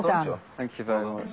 ありがとうございます。